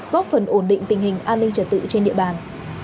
góp phần ổn định tình hình an ninh trật tự trên địa bàn